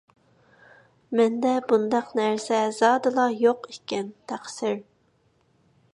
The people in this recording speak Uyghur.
مەندە بۇنداق نەرسە زادىلا يوق ئىكەن، تەقسىر.